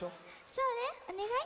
そうねおねがい。